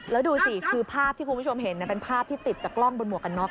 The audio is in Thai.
แล้วดูสิคือภาพที่คุณผู้ชมเห็นเป็นภาพที่ติดจากกล้องบนหวกกันน็อ